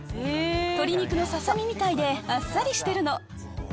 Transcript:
鶏肉のささ身みたいであっさりしてるの。